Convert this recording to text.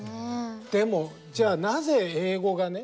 でもじゃあなぜ英語がね